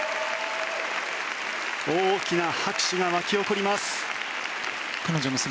大きな拍手が湧き起こります。